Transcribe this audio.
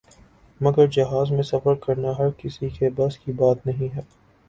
مگر جہاز میں سفر کرنا ہر کسی کے بس کی بات نہیں ہے ۔